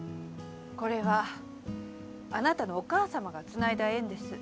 これはあなたのお母さまが繋いだ縁です。